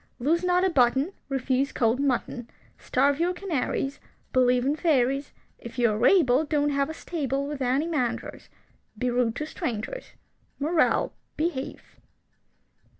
Lose not a button. Refuse cold mutton. Starve your canaries. Believe in fairies. If you are able, Don't have a stable With any mangers. Be rude to strangers. Moral: Behave.